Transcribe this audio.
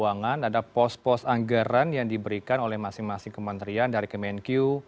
ada sepuluh kementerian terbesar mendapatkan pos pos anggaran yang diberikan oleh masing masing kementerian dari kemenku